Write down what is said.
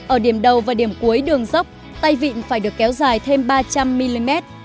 ở điểm đầu và điểm cuối đường dốc tay vịn phải được kéo dài thêm ba trăm linh mm